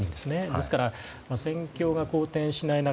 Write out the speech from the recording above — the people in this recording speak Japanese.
ですから、戦況が好転しない中